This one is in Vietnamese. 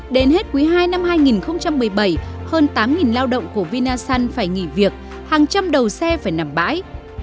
đến hết quý ii năm hai nghìn một mươi bảy hơn tám lao động của vinasun phải nghỉ việc hàng trăm đầu xe phải nằm bãi